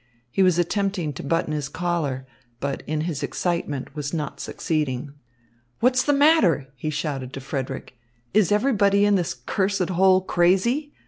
He was attempting to button his collar; but in his excitement was not succeeding. "What's the matter?" he shouted to Frederick. "Is everybody in this cursed hole crazy?